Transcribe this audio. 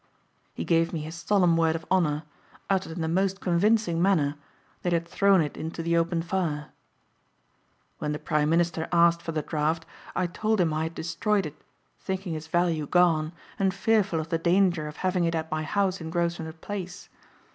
He gave me his solemn word of honor, uttered in the most convincing manner, that he had thrown it into the open fire. "When the prime minister asked for the draft I told him I had destroyed it thinking its value gone and fearful of the danger of having it at my house in Grosvenor Place.